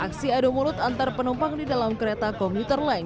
aksi adu mulut antar penumpang di dalam kereta komuter lain